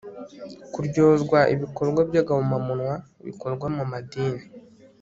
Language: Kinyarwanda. kuryozwa ibikorwa by'agahomamunwa bikorwa mu madini